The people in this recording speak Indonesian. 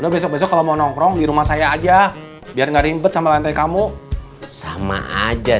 besok besok kalau mau nongkrong di rumah saya aja biar nggak ribet sama lantai kamu sama aja